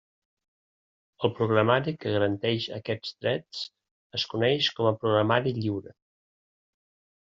El programari que garanteix aquests drets es coneix com a programari lliure.